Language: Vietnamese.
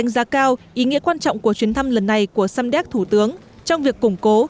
nói chung quan trọng của chuyến thăm lần này của samdek thủ tướng trong việc củng cố